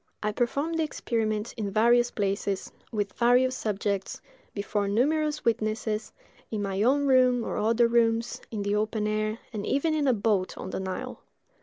I performed the experiment in various places, with various subjects, before numerous witnesses, in my own room or other rooms, in the open air, and even in a boat on the Nile.